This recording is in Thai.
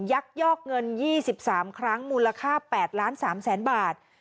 ยักษ์ยอกเงิน๒๓ครั้งมูลค่า๘๓๐๐๐๐๐บาท